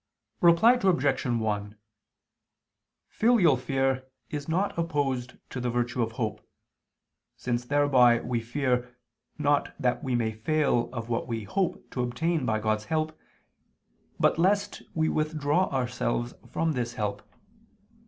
Reply Obj. 1: Filial fear is not opposed to the virtue of hope: since thereby we fear, not that we may fail of what we hope to obtain by God's help, but lest we withdraw ourselves from this help.